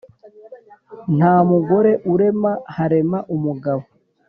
nta mugore urema, harema umugabo.